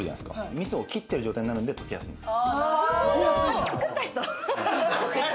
みそを切ってる状態になるんで溶けやすいんです。